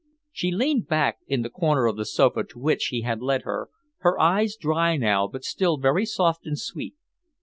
She leaned back in the corner of the sofa to which he had led her, her eyes dry now but still very soft and sweet.